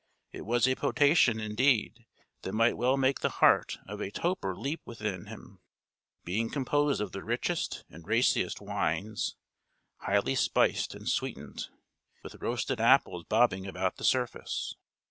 It was a potation, indeed, that might well make the heart of a toper leap within him; being composed of the richest and raciest wines, highly spiced and sweetened, with roasted apples bobbing about the surface.